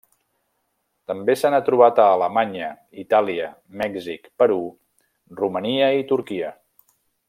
També se n'ha trobat a Alemanya, Itàlia, Mèxic, Perú, Romania i Turquia.